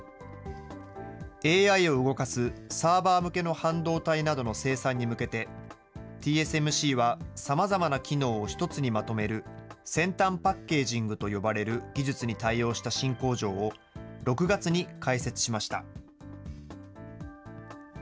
ＡＩを動かすサーバー向けの半導体などの生産に向けて、ＴＳＭＣはさまざまな機能を１つにまとめる先端パッケージングと呼ばれる技術に対応した新工場を６月に開設しました。